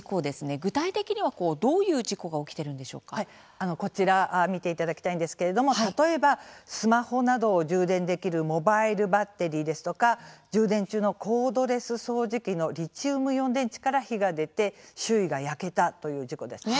具体的には、どういう事故がこちら見ていただきたいんですけれども例えば、スマホなどを充電できるモバイルバッテリーですとか充電中のコードレス掃除機のリチウムイオン電池から火が出て周囲が焼けたという事故ですね。